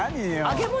揚げ物？